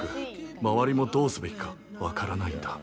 周りも、どうすべきか分からないんだ。